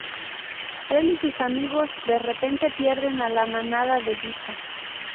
Él y sus amigos de repente pierden a la manada de vista.